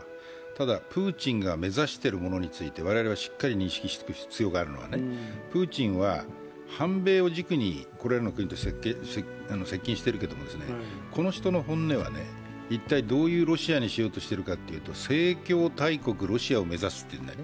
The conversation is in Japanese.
ただプーチンが目指しているものについて我々はしっかり認識しておく必要があるのはプーチンは反米を軸にこれらの国と接近しているわけだけどこの人の本音は一体どういうロシアにしようとしているかというと正教大国ロシアを目指すと言ってるんです。